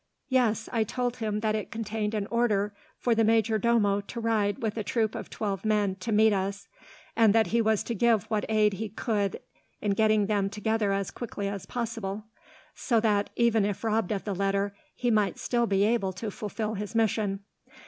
"Yes. I told him that it contained an order for the majordomo to ride, with a troop of twelve men, to meet us, and that he was to give what aid he could in getting them together as quickly as possible; so that, even if robbed of the letter, he might still be able to fulfil his mission.